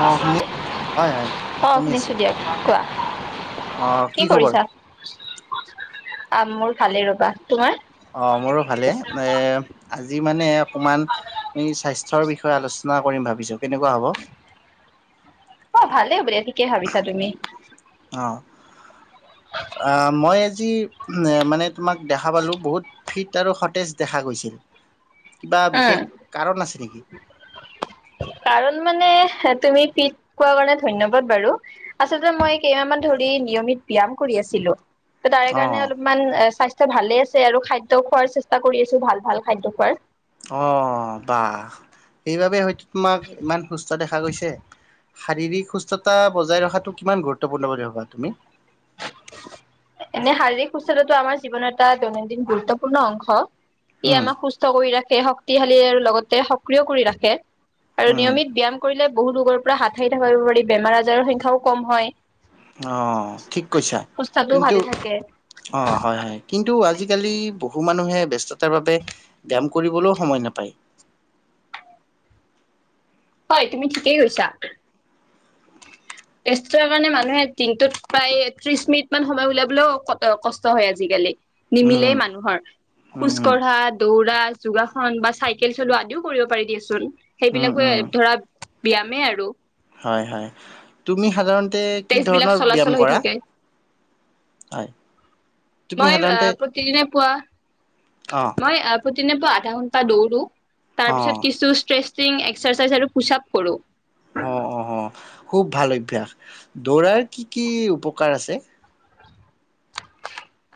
অ শুনি [unintelligible] হয় হয় অ শুনি আছো। শুনিছো দিয়া কোৱা অহ কি খবৰ আ মোৰ ভালেই ৰবা তোমাৰ অ মোৰো ভালে এ আজি মানে অকমানি স্বাস্থ্যৰ বিষয়ে আলোচনা কৰিম ভাবিছো কেনেকুৱা হ'ব? অ ভালেই হব দে ঠিকেই ভাবিছা তুমি অ। অ মই যি এ মানে তোমাক দেখা পালো বহুত ফিট আৰু সতেজ দেখা গৈছিল। কিবা উম বিশেষ কাৰণ আছে নেকি কাৰণ মানে তুমি পিত কোৱা কাৰণে ধন্যবাদ বাৰু আচলতে মই কেইমাহ মান ধৰি নিয়মিত ব্যয়াম কৰি আছিলো। ত তাৰে অ কাৰণে অলপমান স্বাস্থ্য ভালে আছে আৰু খাদ্য খোৱাৰ চেষ্টা কৰি আছো ভাল ভাল খাদ্য খোৱাৰ। অ বাহ সেইবাবে হয়তো তোমাক ইমান সুস্থ দেখা গৈছে শাৰীৰিক সুস্থতা বজাই ৰখাটো কিমান গুৰুত্বপূৰ্ণ বুলি ভাবা তুমি? এনে শাৰীৰিক সুস্থতাটো আমাৰ জীৱনৰ এটা দৈনন্দিন গুৰুত্বপূৰ্ণ অংশ। ই উম আমাক সুস্থ কৰি ৰাখে। শক্তিশালী আৰু লগতে সক্ৰিয় কৰি ৰাখে। আৰু উম নিয়মিত ব্যায়াম কৰিলে বহুত ৰোগৰ পৰা হাত সাৰি থাকিব পাৰি বেমাৰ আজাৰৰ সংখ্যাও কম হয় অ ঠিক কৈছা সুস্থাটো কিন্তু ভালে থাকে অ হয় হয় কিন্তু আজি আজিকালি বহু মানুহে ব্যস্ততাৰ বাবে ব্যায়াম কৰিবলৈও সময় নাপায় হয় তুমি ঠিকেই কৈছা। তেজ কাৰণে মানুহে দিনটোত প্ৰায় ত্ৰিশ মিনিট মান সময় উলিয়াবলৈও কষ্ট হয় আজিকালি উম নিমিলেই মানুহৰ উম খোজ উম কঢ়া দৌৰা যোগাসন বা চাইকেল চলোৱা আদিও কৰিব পাৰি দিয়েচোন উম সেইবিলাকো উম ধৰা ব্যায়ামে আৰু হয় হয় তুমি সাধাৰণতে কি তেজ বিলাক ধৰণৰ ব্যায়াম চলাচল হৈ কৰা থাকে হয় তুমি মই সাধাৰণতে আহ প্ৰতিদিনে পুৱা অ মই আহ প্ৰতিদিনে আধা ঘণ্টা দৌৰো অ তাৰপিছত কিছু শ্ৰেষ্ঠ এক্সেচাইজ আৰু পুচাপ কৰো অ অ অ খুব ভাল অ অভ্যাস দৌৰাৰ কি কি উপকাৰ আছে?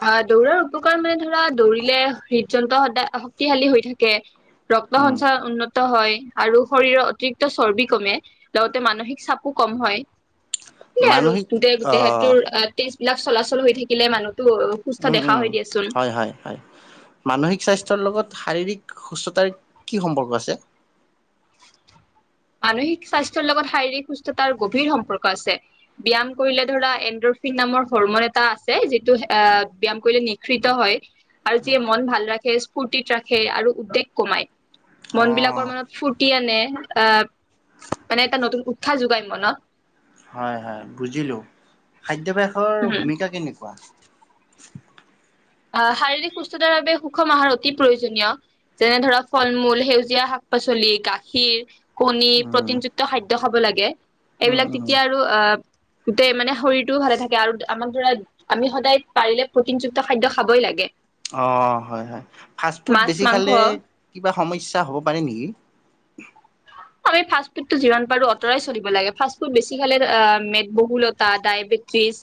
আহ দৌৰাৰ উপকাৰ মানে ধৰা দৌৰিলে হৃদযন্ত্ৰ সদায় শক্তিশালী হৈ থাকে। ৰক্ত উম সঞ্চাৰ উন্নত হয় আৰু শৰীৰৰ অতিৰিক্ত চৰ্বি কমে লগতে মানসিক চাপো কম হয়। সেইবোৰে আৰু মানসিক দেহ আহ দেহটোৰ তেজ এইবিলাক চলাচল হৈ থাকিলে মানুহ উম উম হয় হয় হয় মানসিক স্বাস্থ্যৰ লগত শাৰীৰিক সুস্থতাৰ কি সম্পৰ্ক আছে? মানসিক স্বাস্থ্যৰ লগত শাৰীৰিক সুস্থতাৰ গভীৰ সম্পৰ্ক আছে ব্যায়াম কৰিলে ধৰা এনডৰফিন নামৰ হৰমন এটা আছে যিটো আহ ব্যায়াম কৰিলে নিশৃত হয় আৰু যি মন ভাল ৰাখে ফূৰ্তিত ৰাখে আৰু উদ্বেগ কমায় অ মন বিলাকৰ মনত ফুৰ্তি আনে আহ মানে এটা নতুন উৎসাহ যোগাই মনত হয় হয় বুজিলো খাদ্যভ্যাসৰ উম। ভূমিকা কেনেকুৱা? [inaudible] আহ শাৰীৰিক সুস্থতাৰ বাবে সুষম আহাৰ অতি প্ৰয়োজনীয় যেনে ধৰক ফল মূল, সেউজীয়া শাক পাচলি, গাখীৰ, কণী উম, প্ৰটিনযুক্ত খাদ্য খাব লাগে কিএ উম, এইবিলাক উম, তেতিয়া আৰু আহ গোটেই মানে শৰীৰটোও ভালে থাকে আৰু আমাক ধৰা আমি সদায় পাৰিলে প্ৰটিনযুক্ত খাদ্য খাবই লাগে। অ হয় হয় ফাষ্টফুড মাছ বেছি খালে মাংস কিবা সমস্যা হ'ব পাৰে নেকি? আমি ফাষ্টফুদটো যিমান পাৰো আঁতৰাই চলিব লাগে ফাষ্টফুদ বেছি খালে আহ মেদবহুলতা, ডায়বেটিছ,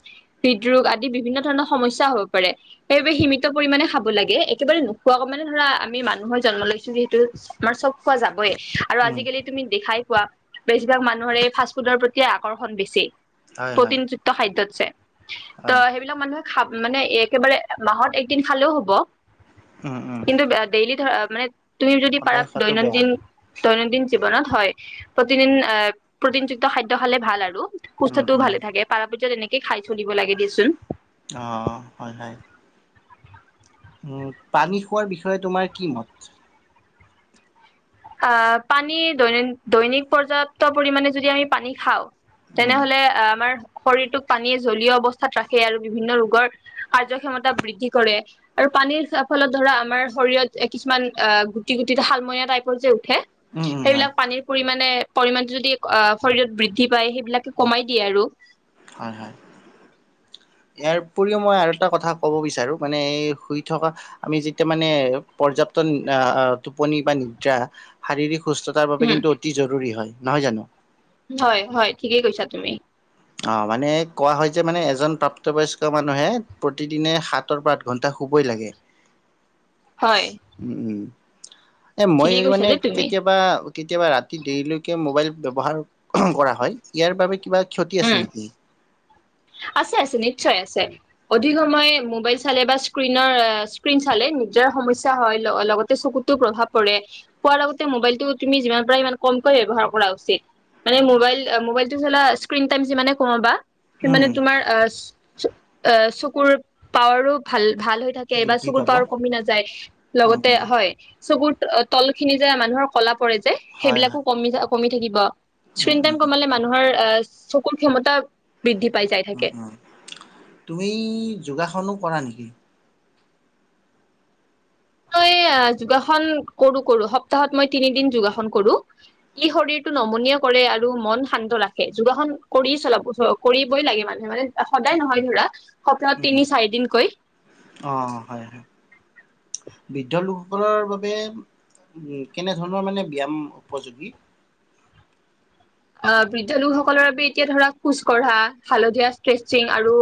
হৃদৰোগ আদি বিভিন্ন ধৰণৰ সমস্যা হব পাৰে। সেইবাবে সীমিত পৰিমাণে খাব লাগে একেবাৰে নোখোৱাকৈ মানে ধৰা আমি মানুহৰ জন্ম লৈছো যিহেতু আমাৰ চব খোৱা যাবই। আৰু উম, আজিকালি তুমি দেখাই পোৱা বেছিভাগ মানুহৰে এই ফাষ্ট ফুডৰ প্ৰতি আকৰ্ষণ বেছি। হয়, হয়, প্ৰটিনযুক্ত খাদ্য [inaudible] ত হয়, সেইবিলাক মানুহে খা মানে একেবাৰে মাহত একদিন খালেও হব উম, উম, কিন্তু ডেইলি ধৰা অ মানে তুমি যদি পাৰা সদায় খোৱাটো বেয়া। দৈনন্দিন দৈনন্দিন জীৱনত হয় প্ৰতিদিন প্ৰটিনযুক্ত খাদ্য খালে ভাল আৰু উম, সুস্থতো উম, ভালে থাকে পাৰ পক্ষত এনেকে কি খাই থৈ দিব লাগে দেচোন। অ, হয় হয়। উম পানী খোৱাৰ বিষয়ে তোমাৰ কি মত? আহ পানী দৈনন দৈনিক পৰ্যাপ্ত পৰিমাণে যদি আমি পানী খাওঁ উম, তেনেহলে অহ আমাৰ শৰীৰটোক পানীয়ে জলীয় অৱস্থাত ৰাখে আৰু বিভিন্ন ৰোগৰ কাৰ্যক্ষমতা বৃদ্ধি কৰে আৰু পানীৰ ফলত ধৰা আমাৰ শৰীৰত কিছুমান অহ গুটি গুটি শালমইনা টাইপ [unintelligible] উম, উম, হয়, সেইবিলাক পানীৰ পৰি মানে পৰিমাণটো যদি শৰীৰত বৃদ্ধি পায় সেইবিলাকে উম, কমাই দিয়ে আৰু। হয়, হয়, ইয়াৰ উপৰিও মই আৰু এটা কথা ক'ব বিচাৰোঁ মানে এই শুই থকা আমি যেতিয়া মানে পৰ্যাপ্ত টোপনি বা নিদ্ৰা শাৰীৰিক অ সুস্থতাৰ বাবে উম কিন্তু অতি জৰুৰী হয়। নহয় জানো। হয় হয় ঠিকেই কৈছা তুমি। অ মানে কোৱা হয় যে মানে এজন প্ৰাপ্তবয়স্ক মানুহে প্ৰতিদিনে সাতৰ পৰা আঠ ঘণ্টা শুবই লাগে। হয় উম উম। এ মই ঠিকেই কৈছা মানে দেই তুমি কেতিয়াবা কেতিয়াবা ৰাতি দেৰিলৈকে মোবাইল ব্যৱহাৰ কৰা হয় ইয়াৰ বাবে কিবা উম আছে নেকি? আছে আছে নিশ্চয় আছে। অধিক সময় মোবাইল চালে বা স্ক্ৰিনৰ স্ক্ৰিণ চালে নিজৰ সমস্যা হয় লগতে চকুতো প্ৰভাৱ পৰে। শুৱাৰ আগতে মোবাইলটো তুমি যিমান পাৰা সিমান কমকৈ ব্যৱহাৰ কৰা উচিত মানে মবাইল মোবাইলটো চালা স্ক্ৰীন টাইম যিমানে কমাবা সিমানে উম তোমাৰ অহ অ চকুৰ পাৱাৰো ভাল ভাল হৈ থাকে বা বৃদ্ধি চকুৰ পাব পাৱাৰ কমি নাযায় লগতে উম হয় চকুৰ তল খিনি যে মানুহৰ কলা পৰে ৰে যে হয় সেইবিলাকো হয় কমি যাব। কমি থাকিব। উম স্ক্ৰিন টাইম উম কমালে মানুহৰ চকুৰ ক্ষমতা বৃদ্ধি পাই যাই উ থাকে উম তুমি যোগাসনো কৰা নেকি? মই অহ যোগাসন কৰো কৰো। সপ্তাহত মই তিনিদিন যোগাসন কৰো। ই শৰীৰটো নমনীয় কৰে আৰু মন শান্ত ৰাখে যোগাসন কৰি চলাব কৰিবই লাগে মানুহে মানে সদায় নহয় ধৰা সপ্তাহত উম তিনি চাৰিদিনকৈ অ হয় হয় বৃদ্ধ লোকসকলৰ বাবে উ কেনেধৰণৰ মানে ব্যাম উপযোগী? অহ বৃদ্ধ লোকসকলৰ বাবে এতিয়া ধৰা খোজ কঢ়া হালধীয়া ষ্ট্ৰেছিং আৰু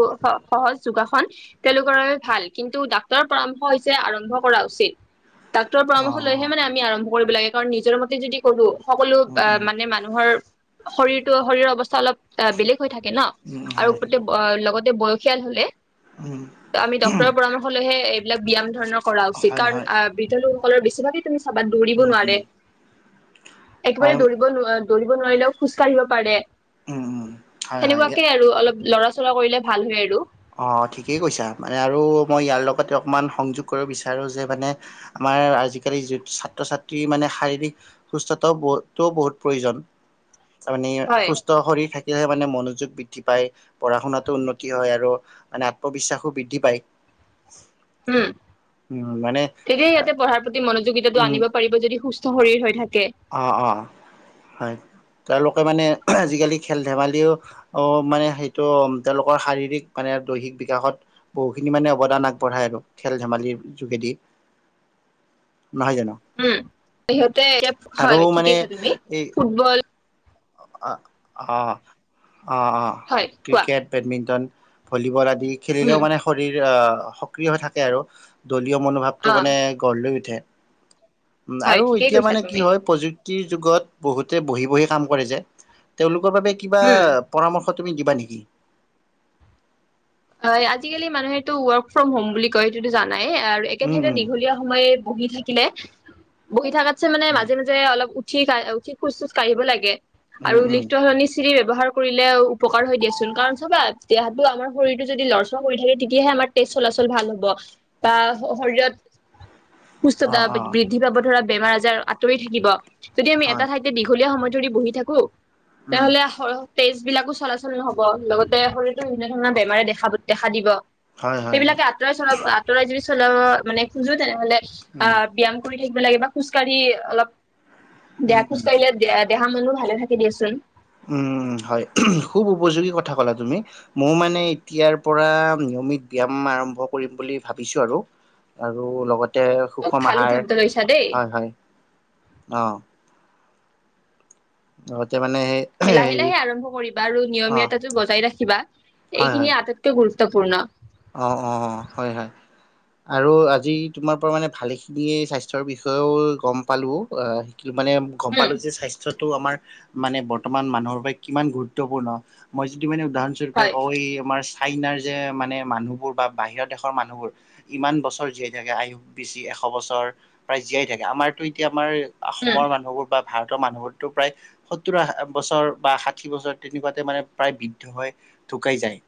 সহজ যোগাসন তেওঁলোকৰ বাবে ভাল কিন্তু ডাক্তৰৰ পৰামৰ্শ হৈছে আৰম্ভ কৰা উচিত। ডাক্তৰৰ অ পৰামৰ্শ লৈহে মানে আমি আৰম্ভ কৰিব লাগে। কাৰণ নিজৰ মতে যদি কৰো। সকলো উম অ উম মানে মানুহৰ শৰীৰতো শৰীৰৰ অৱস্থা অলপ অ বেলেগ হৈ থাকে ন উম আৰু হয় হয় গোটেই লগত বয়সীয়াল হলে উম ত আমি ডক্তৰৰ পৰামৰ্শ লৈহে এ বিলাক ব্যায়াম ধৰণক কৰা উচিত হয় কাৰণ হয় অ বৃদ্ধ লোক সকলৰ বেছিভাগে তুমি চাবা দৌৰিব উম নোৱাৰে। উম একেবাৰে হয় দৌৰিব নোৱা দৌৰিব নোৱাৰিলেও খোজ কাঢ়িব পাৰে। উম উম হয় হয় ইয়া সেনেকুৱাকে আৰু অলপ লৰা চৰা কৰিলে ভাল হয় আৰু। অ ঠিকেই কৈছা মানে আৰু মই ইয়াৰ লগতে অকমান সংযোগ কৰিব বিচাৰোঁ যে মানে, আমাৰ আজিকালি যত ছাত্ৰ ছাত্ৰী মানে শাৰীৰিক সুস্থতাও বহ- ত -বহুত প্ৰয়োজন। তাৰমানে হয় সুস্থ শৰীৰ থাক তেতিয়াহে মানে মনোযোগ বৃদ্ধি পায়। পঢ়া শুনাতো উন্নতি হয় আৰু। মানে আত্মবিশ্বাসো বৃদ্ধি পায়। উম। উম মানে ঠিকেই ইয়াতে পঢ়াৰ প্ৰতি মনোযোগ যোগিতাটো উম আনিব পাৰিব যদি স্থ শৰীৰ হৈ থাকে। অ' অ'। হয়। তেওঁলোকে মানে আজিকালি খেল ধেমালিও ও মানে সেইটো তেওঁলোকৰ শাৰীৰিক মানে দৈহিক বিকাশত বহুখিনি মানে অৱদান আগবঢ়ায় আৰু, খেল ধেমালিৰ যোগেদি। নহয় জানো উম। সিহঁতে আৰু হয়। ঠিকে মানে কৈছা তুমি। এই ফুটবল অ অ'। অঁ অঁ হয় কোৱা ক্ৰিকেট, বেডমিণ্টন ভলিবল [unintelligible] দি খেলিলেও উম মান শৰীৰ সক্ৰিয় হৈ থাকে আৰু। দলীয় মনোভাৱটো অ মানে গঢ় লৈ উঠে। উম হয় আৰু ঠিকেই এতিয়া কৈছা মানে কি তুমি হয় প্ৰযু কিৰ যুগত বহুতে বহি বহি কাম কৰে যে তেওঁলোক কৰ বাবে কিবা উম পৰামৰ্শ শ তুমি দিবা নেকি? হয়। আজিকালি মানুহেটো ৱৰ্ক ফ্ৰম হোম বুলি কয়। সেইতোটো জানা নাই আৰু একে উম ঠাইতে উম দীঘলীয়া সময় বহি থাকিলে বহি থাকা। পিছে মানে উম মাজে-মাজে অলপ, ঠিক', উঠি খোজ -টোজ কাঢ়িব লাগে। উম আৰু উম লিফ্টৰ সলনি চিৰিৰ, ব্যৱহাৰ কৰিলে উপকাৰ হৈ দিয়াচোন কাৰণ চাবা দেহাতো আমাৰ শৰীৰটো যদি লৰচৰ হৈ থাকে, তেতিয়াহে আমাৰ তেজ চলাচল ভাল হ'ব বা শৰীৰত অ সুস্থতা অ বৃদ্ধি পাব ধৰাত। বেমাৰ-আজাৰ আঁতৰি থাকিব। যদি আমি এটা হয় ঠাইতে দীঘলীয়া সময়ত, যদি বহি থাকো। উম তেহলে আহয়', [unintelligible] তেজ বিলাকো চলাচল নহব লগতে শৰীৰটো বিভিন্ন, কিমান বেমাৰে দেখা-দেখা দিব, হয় হয় হয় সেইবিলাকে আঁতৰাই চলা আতৰাই যদি, চল মানে খোজো তেনেহ'লে, [unintelligible] উম অ', ব্যায়াম কৰি থিক নালাগে বা খোজকাঢ়ি অলপ, [unintelligible] উম দিয়া খোজ উম কাঢ়িলে, দেহা- মনও ভালে থাকে দিয়েচোন। উম', -হয় খুব উপযোগী কথা কলা তুমি মই মানে এতিয়াৰ পৰা নিয়মিত ব্যায়াম আৰম্ভ কৰিম বুলি ভাবিছো আৰু', - আৰু লগতে সুষম ভাল আহাৰ সিদ্ধান্ত লৈছা দেই হয়-হয়- অ', অতি, [unintelligible] লাহে -লাহে আৰম্ভ কৰিবা আৰু অ নিয়মীয়তাটো বজাই ৰাখিবা হয় হয় এইখিনিয়ে আটাইতকৈ গুৰুত্ব, গুৰুত্বপূৰ্ণ। অ', - অ', -হয়-হয় আৰু আজি তোমাৰ পৰা মানে ভালেখিনিয়ে স্বাস্থ্যৰ বিষয়েও গম পালো অ', কি মানে গম উম পালো যে স্বাস্থ্যটো আমাৰ, মানে বৰ্তমান মানুহৰ পৰা কিমান গুৰুত্বপূৰ্ণ মই যিটো মানে, ধ্যনস্বৰূপে হয় কয়ে আমাৰ, ফাইনাৰ যে মানে, মানুহবোৰ বা', -বাহিৰৰ দেশৰ মানুহবোৰ ইমান বছৰ জীয়াই থাকে, আয়ু বেছি এশ- বছৰ, প্ৰায় জীয়াই থাকে আমাৰতো এতিয়া আমাৰ উম অসমৰ মানুহবোৰ বা, ভাৰতৰ মানুহবোৰতো প্ৰায় সত্তৰ- বছৰ বা ষাঠি-বছৰ তেনেকুৱাতে মানে প্ৰায় বৃদ্ধ হৈ ঢুকাই যায়।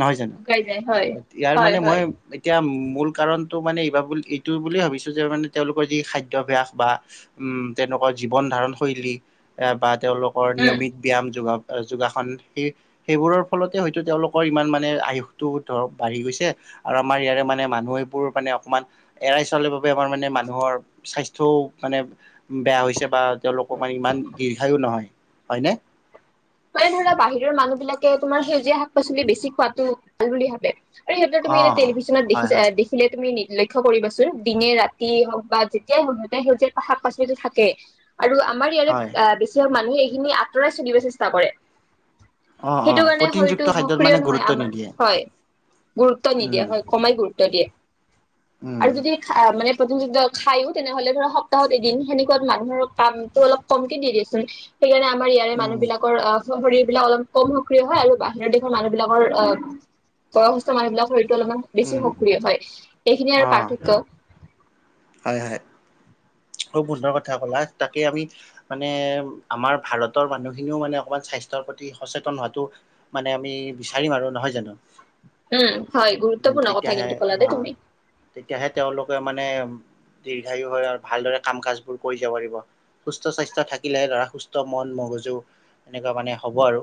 নহয় জানো, শুকাই যায় হয় ইয়াৰ হয় মানে হয় মই এতিয়া উম, ' মূল, কাৰণটো মানে এইব বুলি এইটো বুলিয়েই ভাবিছোঁ, যে মানে তেওঁলোকৰ যি খাদ্যভ্যাস বা তেওঁলোকৰ, জীৱন ধাৰণ শৈলী বা তেওঁলোকৰ উম, নিয়মিত ব্যায়াম যোগাব যোগাসন সেই-সেইবোৰৰ ফলতে হয়তো, তেওঁলোকৰ ইমান মানে আয়ুসটো ধৰক বাঢ়ি গৈছে আৰু আমাৰ ইয়াৰে মানে মানুহ, এইবোৰ মানে অকমান এৰাই চলিব বেমাৰ মানে মানুহৰ সাস্থ মানে বেয়া হৈছে বা তেওঁলোকৰ মানে ইমান দীৰ্ঘায়ো নহয় হয়নে। মানে ধৰা বাহিৰৰ মানুহ বিলাকে তোমাৰ সেউজীয়া শাক-পাচলি বেছি খোৱাতটো ভাল বুলি ভাবে। আৰে সিহঁতক তুমি অ এনে টিভিছন দেখি, হয় হয় দেখিলে তুমি নিজে লক্ষ্য কৰিবাচোন দিনে-ৰাতি হওক বা যেতিয়াই হওক সেউজীয়া শাক পাচলিটো থাকে। আৰু আমাৰ ইয়াৰে হয় বেছিভাগ ম মানুহ এইখিনি আতৰাই চলিব চেষ্টা কৰে। অ অ সেইটো কাৰণে প্ৰটিনযুক্ত শৰীৰটো খাদ্যত সক্ৰিয় মানে নহয়, গুৰুত্ব আমাৰ নিদিয়ে হয়। গুৰুত্ব নিদিয়ে উম। হয়, কমাই গুৰুত্ব দিয়ে। উম, আৰু যদি মানে প্ৰটিনযুক্ত খায়ও তেনেহলে ধৰা সপ্তাহত এদিন সেনেকুৱাত মানুহৰ কামটো অলপ কমকে দি দিয়েচোন। সেইকাৰণে আম ইয়াৰে উম, মানুহবিলাক অ' শৰীৰবিলাক অলপ কম সক্ৰিয় হয়। আৰু বাহিৰৰ দেশৰ মানুহ বিলাকৰ অ' বয়সস্থ মানুহ বিলাক শৰীৰ অলপমান বেছি উম, সক্ৰিয় হয়, এইখিনিয়ে আৰু অ', পাৰ্থক্য। হয়, হয়, খুব সুন্দৰ কথা কলা। তাকে আমি মানে আমাৰ ভাৰতৰ মানুহখিনিও মানে অকমান স্বাস্থ্যৰ প্ৰতি সচেতন হোৱাটো মানে আমি বিচাৰিম আৰু নহয় জানো। উম হয় উ, গুৰুত্বপূৰ্ণ কথা তেতিয়াহে কিন্তু ক'লা দেই অ' তুমি তেতিয়াহে, তেওঁলোকে মানে দীৰ্ঘায়ু হয় আৰু ভালদৰে কাম-কাজবোৰ কৰি যাব পাৰিব। সুস্থ স্বাস্থ্য থাকিলেহে ধৰা সুস্থ মন মগজু এনেকুৱা মানে হ'ব আৰু।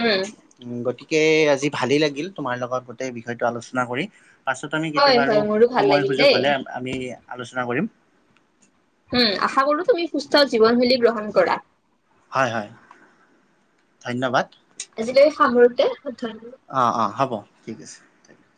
উম উ, গতিকে আজি ভালেই লাগিল তোমাৰ লগত গোটেই বিষয়টো আলোচনা কৰি। পাছত আমি হয় কেতিয়াবা আৰু হয় মোৰো ভাল সময় লাগিল সুযোগ দেই হ'লে আলোচনা কৰিম। উম' আশা কৰো, তুমি সুস্থ জীৱনশৈলী গ্ৰহণ কৰা। হয়-হয়, ধন্যবাদ। আজিলৈ সামৰোতে, ধন্যবাদ অ-অ, হ'ব। ঠিক আছে, থেংকিউ।